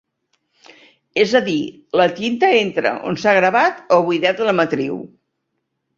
És a dir, la tinta entra on s'ha gravat o buidat la matriu.